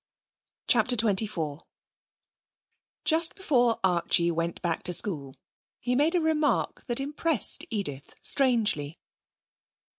CHAPTER XXIV Just before Archie went back to school he made a remark that impressed Edith strangely.